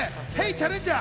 チャレンジャー！